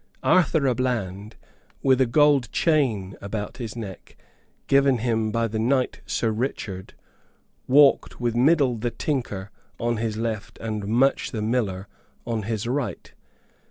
Arthur à Bland, with a gold chain about his neck, given him by the knight Sir Richard, walked with Middle the Tinker on his left and Much the Miller on his right.